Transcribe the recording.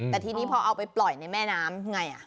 แต่ทีนี้พอเอาไปปล่อยในแม่น้ำไง